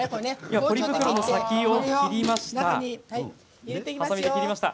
ポリ袋の先をはさみで切りました。